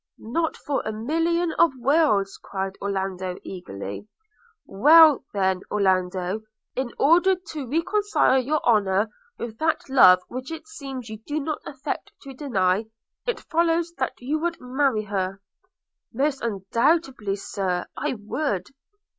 'Not for a million of worlds!' cried Orlando eagerly. 'Well, then, Orlando, in order to reconcile your honour with that love which it seems you do not affect to deny, it follows that you would marry her?' 'Most undoubtedly, Sir, I would.'